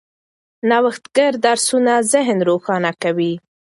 نوښتګر درسونه ذهن روښانه کوي.